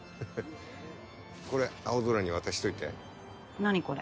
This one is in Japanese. これ青空に渡しといて何これ？